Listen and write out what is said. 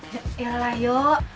ya ya lah yuk